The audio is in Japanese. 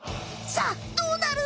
さあどうなる？